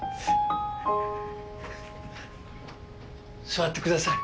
座ってください。